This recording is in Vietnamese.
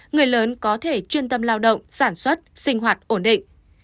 người lớn có thể chuyên tâm lao động sản xuất sinh hoạt ổn định